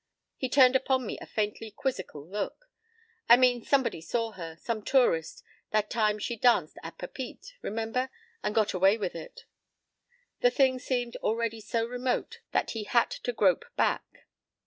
p> He turned upon me a faintly quizzical look. "I mean, somebody saw her—some tourist—that time she danced at Papeete—Remember?—and got away with it?" The thing seemed already so remote that he had to grope back.